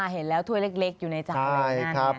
เห็นแล้วถ้วยเล็กอยู่ในจานแบบนั้น